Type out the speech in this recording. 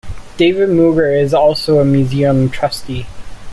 David Mugar is also a Museum trustee.